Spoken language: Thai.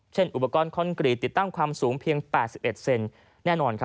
อุปกรณ์คอนกรีตติดตั้งความสูงเพียง๘๑เซนแน่นอน